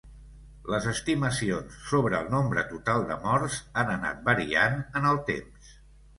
Les estimacions sobre el nombre total de morts han anat variant en el temps.